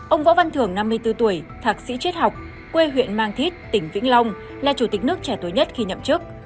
ông võ văn thưởng năm mươi bốn tuổi thạc sĩ triết học quê huyện mang thít tỉnh vĩnh long là chủ tịch nước trẻ tuổi nhất khi nhậm chức